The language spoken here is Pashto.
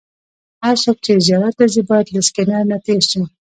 هر څوک چې زیارت ته ځي باید له سکېنر نه تېر شي.